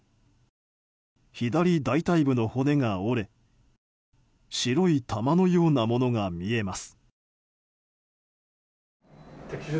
左大腿部の骨が折れ白い弾のようなものが見えます。